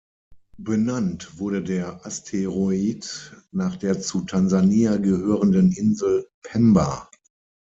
Benannt wurde der Asteroid nach der zu Tansania gehörenden Insel Pemba.